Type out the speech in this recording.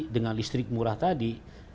dengan listrik murah tadi